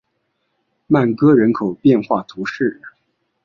曼戈人口变化图示